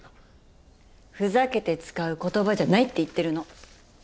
ふざけて使う言葉じゃないって言ってるの。